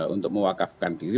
untuk mewakafkan diri